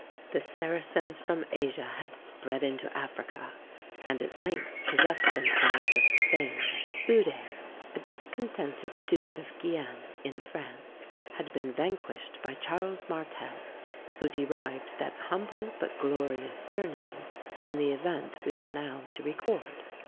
The Saracens from Asia had spread into Africa, and at length possessed themselves of Spain. Eude, a discontented Duke of Guienne in France, had been vanquished by Charles Martel, who derived that humble but glorious surname from the event we are now to record.